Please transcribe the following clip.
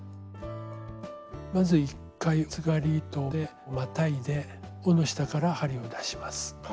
まず１回つがり糸でまたいで緒の下から針を出します。